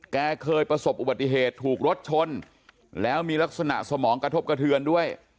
เคยประสบอุบัติเหตุถูกรถชนแล้วมีลักษณะสมองกระทบกระเทือนด้วย